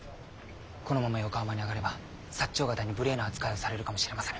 このまま横浜に上がれば長方に無礼な扱いをされるかもしれませぬ。